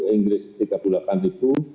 inggris tiga puluh delapan ribu